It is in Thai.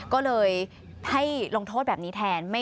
ก็เลยให้ลงโทษแบบนี้แทน